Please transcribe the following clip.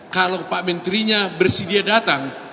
kalau pak menterinya bersedia datang